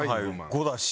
５だし。